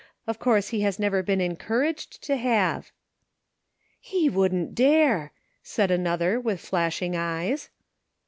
Of course he has never been encouraged to have." " He wouldn't dare! '* said another with flashing eyes.